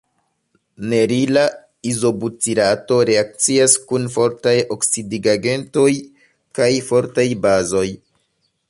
Nerila izobutirato reakcias kun fortaj oksidigagentoj kaj fortaj bazoj.